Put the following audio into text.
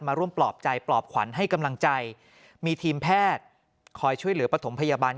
ร่วมปลอบใจปลอบขวัญให้กำลังใจมีทีมแพทย์คอยช่วยเหลือปฐมพยาบาล